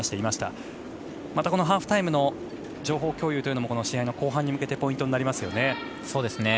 また、このハーフタイムの情報共有というのも試合の後半に向けてポイントになりますよね。